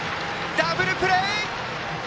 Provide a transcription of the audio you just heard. ダブルプレー！